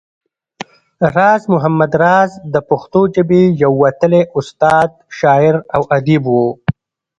راز محمد راز د پښتو ژبې يو وتلی استاد، شاعر او اديب وو